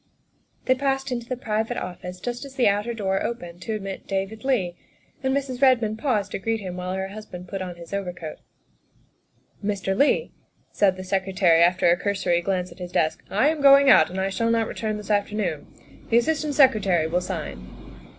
They passed into the private office just as the outer door opened to admit David Leigh, and Mrs. Redmond paused to greet him while her husband put on his over coat. " Mr. Leigh," said the Secretary, after a cursory glance at his desk, " I am going out and I shall not return this afternoon. The Assistant Secretary will sign."